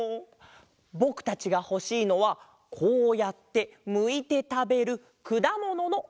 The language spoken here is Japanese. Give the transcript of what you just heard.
ぼくたちがほしいのはこうやってむいてたべるくだもののあれだよ。